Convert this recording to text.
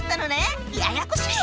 ややこしいわ！